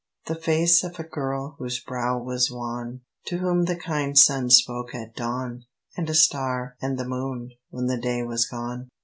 The face of a girl whose brow was wan, To whom the kind sun spoke at dawn, And a star and the moon when the day was gone.